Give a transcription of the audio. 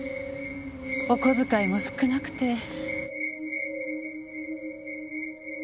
お小遣いも少なくて。